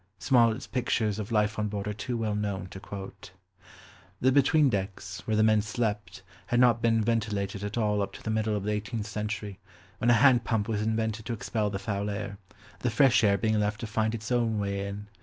Smollet's pictures of life on board are too well known to quote. The between decks, where the men slept, had not been ventilated at all up to the middle of the eighteenth century, when a hand pump was invented to expel the foul air, the fresh air being left to find its own way in.